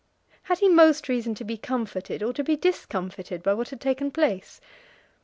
Had he most reason to be comforted or to be discomfited by what had taken place?